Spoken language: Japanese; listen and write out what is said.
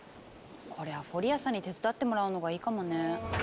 これはフォリアさんに手伝ってもらうのがいいかもね。